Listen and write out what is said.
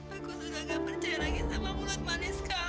aku sudah gak percaya lagi sama mulut manis kamu tore